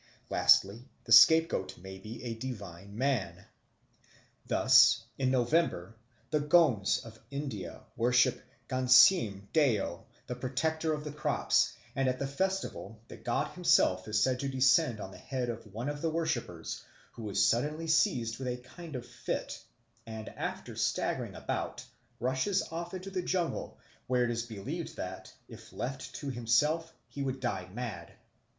Lastly, the scapegoat may be a divine man. Thus, in November the Gonds of India worship Ghansyam Deo, the protector of the crops, and at the festival the god himself is said to descend on the head of one of the worshippers, who is suddenly seized with a kind of fit and, after staggering about, rushes off into the jungle, where it is believed that, if left to himself, he would die mad.